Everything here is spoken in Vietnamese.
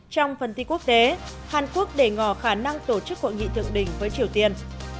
trong phần tin quốc tế hàn quốc để ngò khả năng tổ chức hội nghị thượng đỉnh với triều tiên